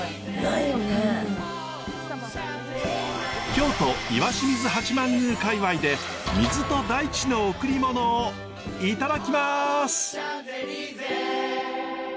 京都石清水八幡宮界わいで水と大地のおくりものをいただきます！